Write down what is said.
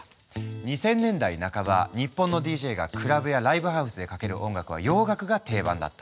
２０００年代半ば日本のＤＪがクラブやライブハウスでかける音楽は洋楽が定番だった。